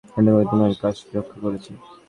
এটা করে তোমার কাজকে রক্ষা করেছি।